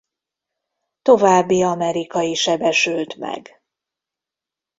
További amerikai sebesült meg.